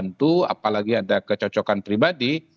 tentu apalagi ada kecocokan pribadi